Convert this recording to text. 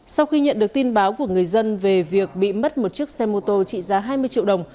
sau khi nhận được tin báo của người dân về việc bị mất một chiếc xe mô tô trị giá hai mươi triệu đồng